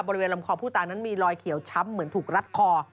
บริเวณลำคอผู้ตายนั้นมีรอยเขียวช้ำเหมือนถูกรัดคอ